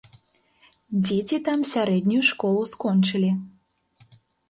Дзеці там сярэднюю школу скончылі.